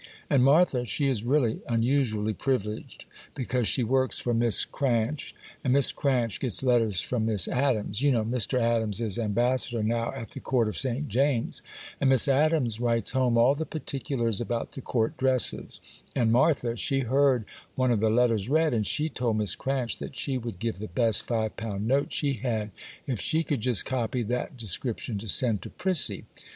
And Martha, she is really unusually privileged, because she works for Miss Cranch, and Miss Cranch gets letters from Miss Adams,—you know Mr. Adams is Ambassador now at the Court of St. James, and Miss Adams writes home all the particulars about the court dresses; and Martha, she heard one of the letters read, and she told Miss Cranch that she would give the best five pound note she had, if she could just copy that description to send to Prissy.